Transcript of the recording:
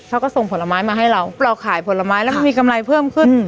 ส่งผลไม้มาให้เราเราขายผลไม้แล้วมันมีกำไรเพิ่มขึ้น